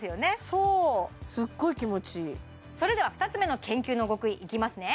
そうすっごい気持ちいいそれでは２つ目の研究の極意いきますね